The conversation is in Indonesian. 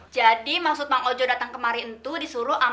jadi maksud bang ojo datang kemari itu disuruh amai ojo